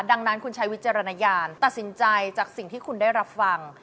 ดังนั้นคุณใช้วิจารณญาณตัดสินใจจากสิ่งที่คุณได้รับฟัง